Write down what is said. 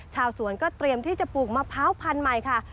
ชาวสวนก็เตรียมที่จะปลูกมะพร้าวพันธุ์ใหม่ค่ะ